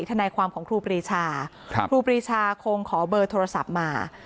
ทนายความของครูปรีชาครูปรีชาคงขอเบอร์โทรศัพท์มา